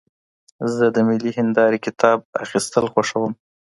زه د ملي هندارې کتاب اخیستل خوښوم.